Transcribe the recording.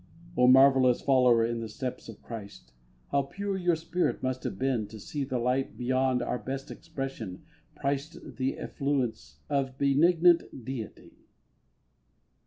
O marvellous follower in the steps of Christ, How pure your spirit must have been to see That light beyond our best expression priced The effluence of benignant Deity.